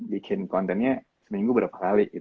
bikin kontennya seminggu berapa kali